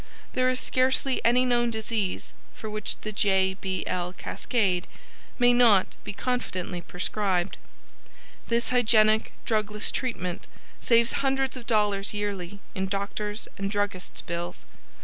there is scarcely any known disease for which the "J.B.L. Cascade" may not be confidently prescribed. This hygienic, drugless treatment saves hundreds of dollars yearly in doctors' and druggists' bills.